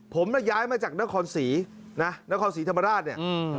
ผมน่ะย้ายมาจากนครศรีนะนครศรีธรรมราชเนี่ย